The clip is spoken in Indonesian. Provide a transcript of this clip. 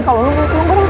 kalau lo mau gue mau